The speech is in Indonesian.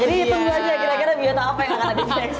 jadi tunggu aja kira kira biota apa yang akan ada di bsc